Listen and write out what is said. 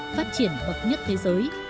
phát triển bậc nhất thế giới